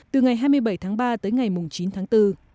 từ ngày hai mươi bảy tháng ba tới ngày chín tháng bốn